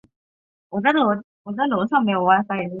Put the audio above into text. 他获得过一次托尼奖。